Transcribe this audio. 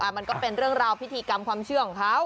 มันก็เป็นเรื่องราวพิธีกรรมความเชื่อของเขา